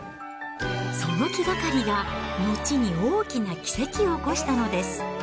その気がかりが、後に大きな奇跡を起こしたのです。